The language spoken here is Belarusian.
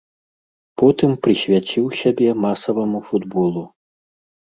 Потым прысвяціў сябе масаваму футболу.